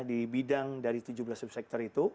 di bidang dari tujuh belas subsektor itu